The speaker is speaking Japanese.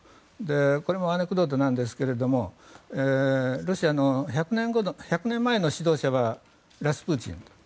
これもアネクドートなんですがロシアの１００年前の指導者はラスプーチン。